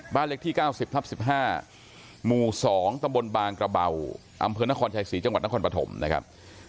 บ้านเล็กที่๙๐ทับ๑๕หมู่๒ตำบลบางกระเบาอำเภอนครชายศรีจังหวัดนครปฐมนะครับ